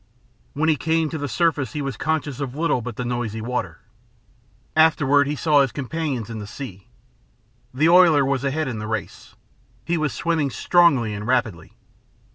When he came to the surface he was conscious of little but the noisy water. Afterward he saw his companions in the sea. The oiler was ahead in the race. He was swimming strongly and rapidly.